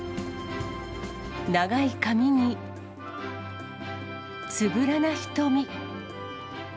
長い髪に、つぶらな瞳。